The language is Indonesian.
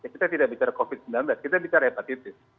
kita tidak bicara covid sembilan belas kita bicara hepatitis